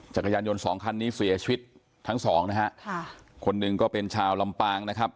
จักรยานยนต์สองคันนี้เสียชีวิตทั้งสองนะฮะค่ะคนหนึ่งก็เป็นชาวลำปางนะครับ